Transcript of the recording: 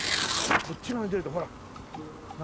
こっち側に出るとほらっ！